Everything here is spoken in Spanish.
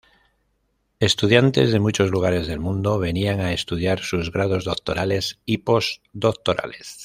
Estudiantes de muchos lugares del mundo venían a estudiar sus grados doctorales y postdoctorales.